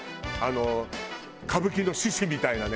歌舞伎の獅子みたいなねこうやって。